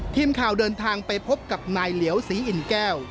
ทีมข่าวเดินทางไปพบกับนายเหลียวศรีอิ่นแก้ว